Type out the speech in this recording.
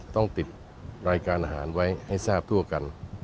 ต้องติดรายการอาหารไว้ให้ทราบทั่วกัน